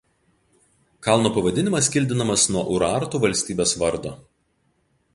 Kalno pavadinimas kildinamas nuo Urartu valstybės vardo.